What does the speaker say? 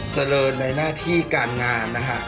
เจริญในหน้าที่การงานนะฮะ